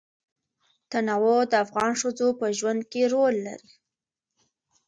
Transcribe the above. تنوع د افغان ښځو په ژوند کې رول لري.